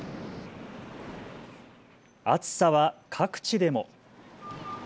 暑さは各地でも。